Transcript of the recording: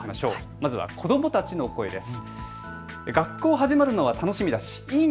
まずは子どもたちの声です。